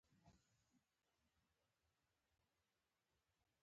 ماشوم په خپلې لوبې کې ټینګ باور درلود.